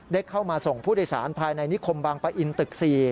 ได้เข้ามาส่งผู้โดยสารภายในนิคมบางปะอินตึก๔